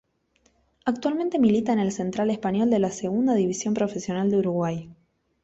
Actualmente milita en el Central Español de la Segunda División Profesional de Uruguay.